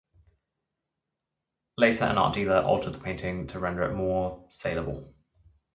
Later an art dealer altered the painting to render it more saleable.